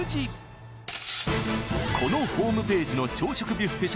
［このホームページの朝食ビュッフェ